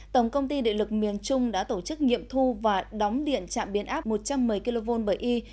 tổng công ty điện lực miền trung đã tổ chức nghiệm thu và đóng điện trạm biến áp một trăm một mươi kv bởi y